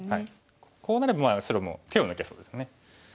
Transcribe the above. こうなれば白も手を抜けそうですね。